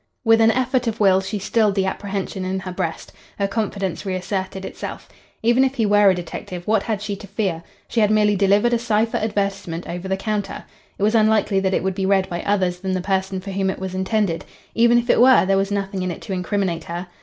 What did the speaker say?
With an effort of will she stilled the apprehension in her breast. Her confidence reasserted itself. Even if he were a detective, what had she to fear? She had merely delivered a cipher advertisement over the counter. It was unlikely that it would be read by others than the person for whom it was intended. Even if it were, there was nothing in it to incriminate her.